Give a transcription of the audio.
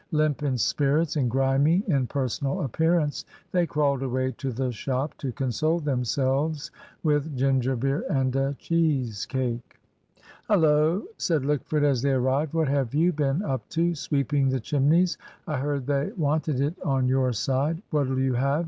Limp in spirits and grimy in personal appearance, they crawled away to the shop to console themselves with ginger beer and a cheese cake. "Hullo," said Lickford, as they arrived, "what have you been up to? Sweeping the chimneys? I heard they wanted it on your side. What'll you have?